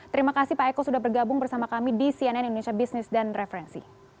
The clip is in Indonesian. terima kasih pak eko sudah bergabung bersama kami di cnn indonesia business dan referensi